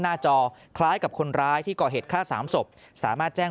หน้าจอคล้ายกับคนร้ายที่ก่อเหตุฆ่าสามศพสามารถแจ้ง